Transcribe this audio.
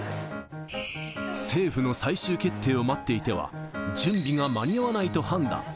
政府の最終決定を待っていては、準備が間に合わないと判断。